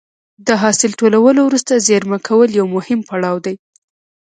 د حاصل ټولولو وروسته زېرمه کول یو مهم پړاو دی.